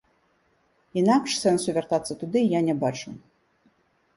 Інакш сэнсу вяртацца туды я не бачу.